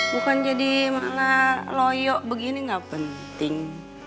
bukan jadi malah loyo begini gak penting